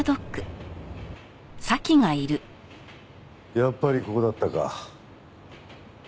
やっぱりここだったか。